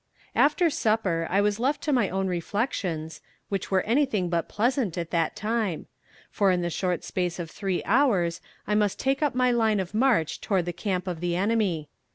After supper I was left to my own reflections, which were anything but pleasant at that time; for in the short space of three hours I must take up my line of march toward the camp of the enemy.